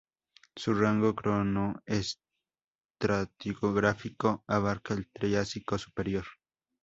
Su rango cronoestratigráfico abarcaba el Triásico superior.